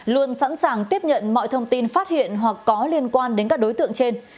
luôn sẵn sàng tiếp nhận mọi thông tin phát hiện hoặc có liên quan đến các đối tượng trên